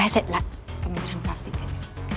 ใครเสร็จแล้วก็มีชั้นปรับด้วย